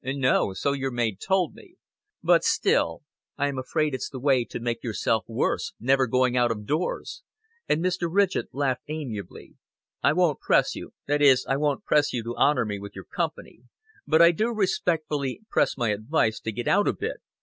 "No, so your maid told me. But, still, I am afraid it's the way to make yourself worse, never going out of doors;" and Mr. Ridgett laughed amiably. "I won't press you that is, I won't press you to honor me with your company; but I do respectfully press my advice to get out a bit.